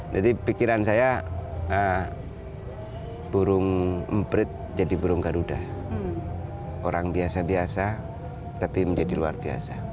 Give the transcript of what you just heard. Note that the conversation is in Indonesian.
jadi pikiran saya burung emperit jadi burung garuda orang biasa biasa tapi menjadi luar biasa